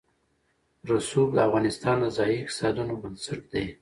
رسوب د افغانستان د ځایي اقتصادونو بنسټ دی.